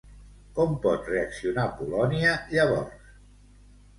Com pot reaccionar Polònia llavors?